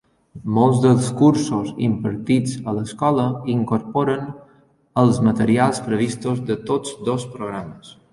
Molts dels cursos impartits a l'escola incorporen els materials previstos de tots dos programes.